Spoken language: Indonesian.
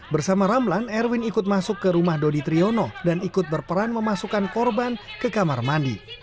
bersama ramlan erwin ikut masuk ke rumah dodi triyono dan ikut berperan memasukkan korban ke kamar mandi